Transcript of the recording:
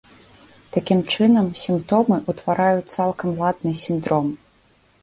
Такім чынам, сімптомы ўтвараюць цалкам ладны сіндром.